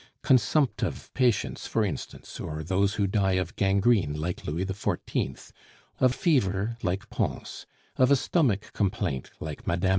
Consumptive patients, for instance, or those who die of gangrene like Louis XIV., of fever like Pons, of a stomach complaint like Mme.